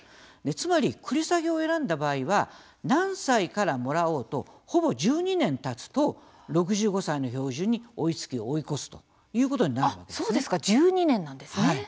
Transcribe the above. つまり、繰り下げを選んだ場合は何歳からもらおうとほぼ１２年たつと６５歳の標準に追いつき１２年なんですね。